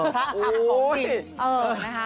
พระธรรมของจิต